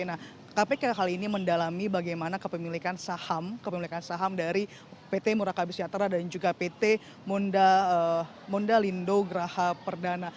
nah kpk kali ini mendalami bagaimana kepemilikan saham kepemilikan saham dari pt murakabi sejahtera dan juga pt mondalindo graha perdana